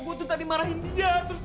udah di kamar ini gak ada